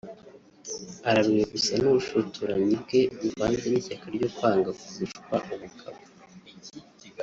araruwe gusa n’ubushotoranyi bwe buvanze n’ishyaka ryo kwanga kurushwa ubugabo